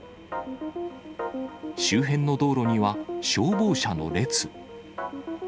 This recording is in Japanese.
周辺の道路には、消防車の列。